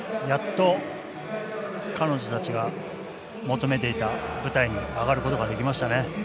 やっと彼女たちが求めていた舞台に上がることができましたね。